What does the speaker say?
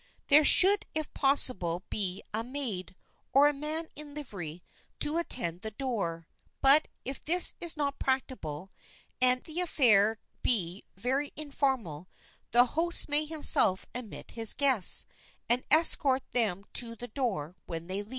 There should, if possible, be a maid, or a man in livery to attend the door, but, if this is not practicable, and the affair be very informal, the host may himself admit his guests, and escort them to the door when they leave.